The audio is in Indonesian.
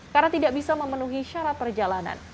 karena tidak bisa memenuhi syarat perjalanan